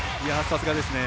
さすがですね。